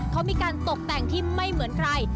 เขามีการตกแต่งที่ไม่เหมือนใคร